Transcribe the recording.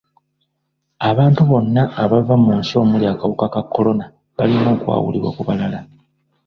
Abantu bonna abava mu nsi omuli akawuka ka kolona balina okwawulibwa ku balala.